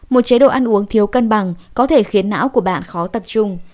một chế độ ăn uống thiếu cân bằng có thể khiến não của bạn khó tập trung